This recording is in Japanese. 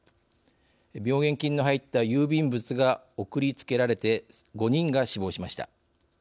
病原菌の入った郵便物が送りつけられて５人が死亡しました。